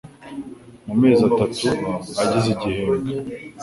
mu mezi atatu agize igihembwe,